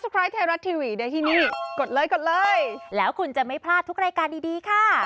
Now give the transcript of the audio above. พี่โฟนบอกแบบนี้